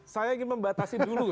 saya ingin membatasi dulu ya